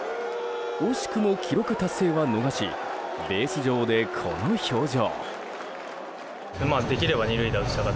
惜しくも、記録達成は逃しベース上でこの表情。